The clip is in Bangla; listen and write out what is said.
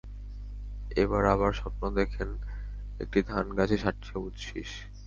এবার আবার স্বপ্নে দেখেন, একটি ধান গাছে সাতটি সবুজ শীষ।